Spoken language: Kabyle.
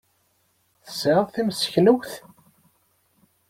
Tesɛid timseknewt?